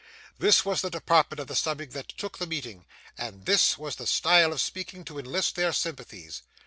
This was the department of the subject that took the meeting, and this was the style of speaking to enlist their sympathies.